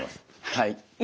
はい。